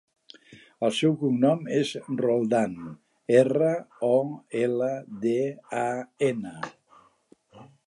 El seu cognom és Roldan: erra, o, ela, de, a, ena.